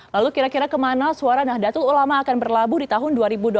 lalu kira kira kemana suara nahdlatul ulama akan berlabuh di tahun dua ribu dua puluh empat